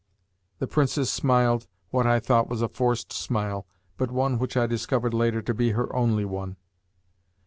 The Princess smiled what I thought was a forced smile, but one which I discovered later to be her only one.